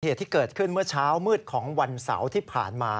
เหตุที่เกิดขึ้นเมื่อเช้ามืดของวันเสาร์ที่ผ่านมา